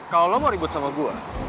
kalau lo mau ribut sama gue